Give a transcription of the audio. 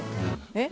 えっ？